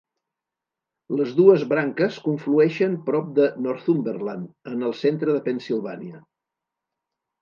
Les dues branques conflueixen prop de Northumberland, en el centre de Pennsilvània.